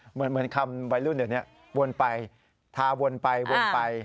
เหมือนคำวัยรุ่นเดี๋ยวนี้วนไปทาวนไปวนไป